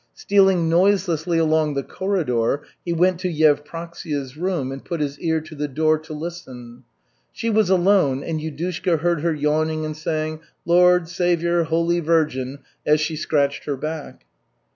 Stealing noiselessly along the corridor, he went to Yevpraksia's room and put his ear to the door to listen. She was alone, and Yudushka heard her yawning and saying, "Lord! Savior! Holy Virgin," as she scratched her back.